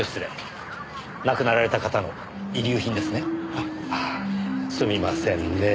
あぁすみませんねえ。